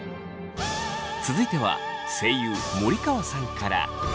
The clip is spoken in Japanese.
続いては声優森川さんから。